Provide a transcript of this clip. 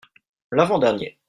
L'avant-dernier